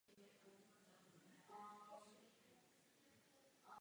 Na délku měřil až šest metrů.